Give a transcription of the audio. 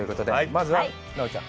まずは奈緒ちゃん。